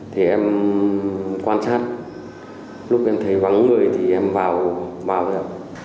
thì em quan sát lúc em thấy vắng người thì em vào vào rồi ạ